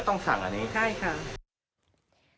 ก็คือใครมาก็ต้องสั่งอันนี้